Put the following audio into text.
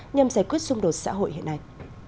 nhằm giải quyết xung đột xã hội hiện nay